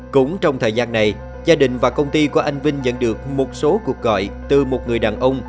cũng trong thời gian này gia đình và công ty của anh vinh nhận được một số cuộc gọi từ một người đàn ông